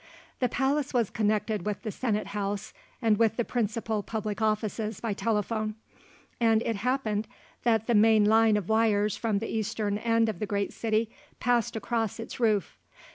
The palace was connected with the Senate House and with the principal Public Offices by telephone, and it happened that the main line of wires from the eastern end of the great city passed across its roof.